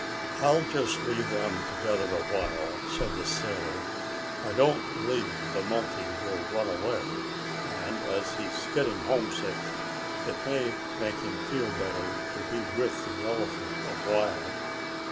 "I'll just leave 'em together a while," said the sailor. "I don't believe the monkey will run away, and, as he's getting homesick, it may make him feel better to be with the elephant a while."